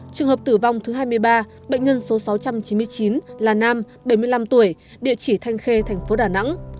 trường hợp tử vong thứ hai mươi ba bệnh nhân số sáu trăm chín mươi chín là nam bảy mươi năm tuổi địa chỉ thanh khê thành phố đà nẵng